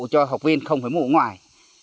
cho học viên không phải mụ ngoài